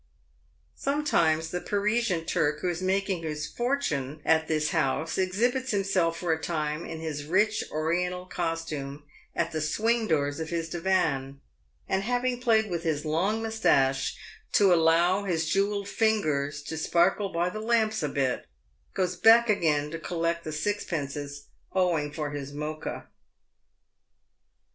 Sometimes the Parisian Turk who is making his fortune at this house exhibits himself for a time in his rich Oriental costume at the swing doors of his divan, and having played with his long moustache, to allow his jewelled fingers to sparkle by the lamps a bit, goes back again to collect the sixpences owing for his Mocha.